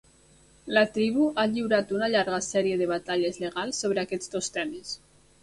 La tribu ha lliurat una llarga sèrie de batalles legals sobre aquests dos temes.